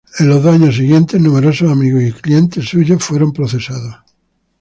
En los dos años siguientes numerosos amigos y clientes suyos fueron procesados.